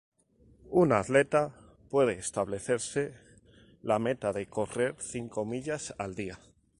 Un atleta puede establecerse la meta de correr cinco millas al día.